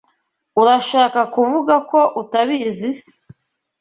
Urashaka kuvuga ko utabizi se?